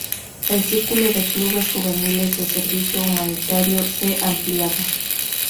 El círculo de clubes juveniles de servicio humanitario se ampliaba.